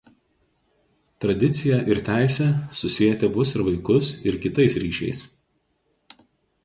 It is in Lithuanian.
Tradicija ir teisė susieja tėvus ir vaikus ir kitais ryšiais.